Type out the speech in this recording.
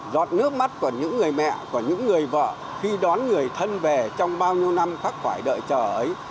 giọt nước mắt của những người mẹ của những người vợ khi đón người thân về trong bao nhiêu năm khắc quả đợi chờ ấy